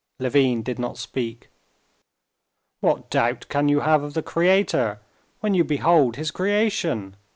Levin did not speak. "What doubt can you have of the Creator when you behold His creation?"